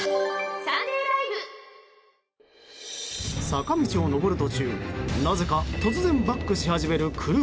坂道を上る途中なぜか突然バックし始める車。